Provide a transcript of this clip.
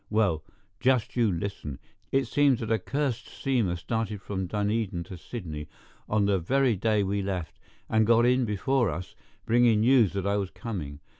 Well, just you listen. It seems that a cursed steamer started from Dunedin to Sydney on the very day we left, and got in before us, bringing news that I was coming.